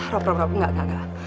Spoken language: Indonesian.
rop rop enggak enggak enggak